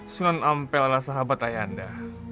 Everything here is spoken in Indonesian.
sunan ampel adalah sahabat ayah anda